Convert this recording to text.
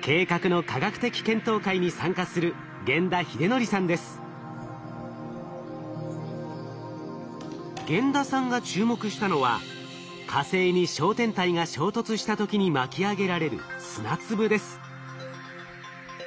計画の科学的検討会に参加する玄田さんが注目したのは火星に小天体が衝突した時に巻き上げられる砂粒です。